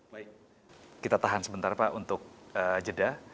baik kita tahan sebentar pak untuk jeda